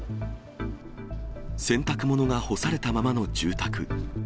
洗濯物が干されたままの住宅。